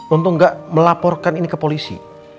untuk tidak melaporkan ini ke polisi